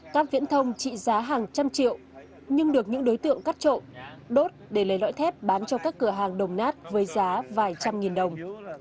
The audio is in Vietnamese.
cáp viễn thông trị giá hàng trăm triệu nhưng được những đối tượng cắt trộn đốt để lấy lõi thép bán cho các cửa hàng đồng nát với giá vài trăm nghìn đồng